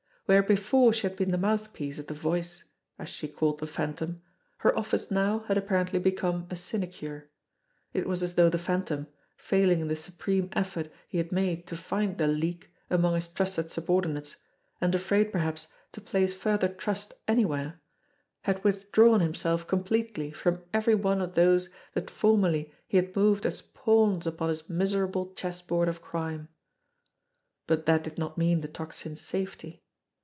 Where before she had been the mouthpiece of the "Voice," as she called the Phan tom, her office now had apparently become a sinecure. It was as though the Phantom, failing in the supreme effort he had made to find the "leak" among his trusted subordi nates, and afraid perhaps to place further trust anywhere, had withdrawn himself completely from every one of those that formerly he had moved as pawns upon his miserable chess board of crime. But that did not mean the Tocsin's safety.